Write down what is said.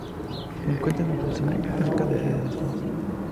Se encuentra en el Brasil: cuenca del río Amazonas.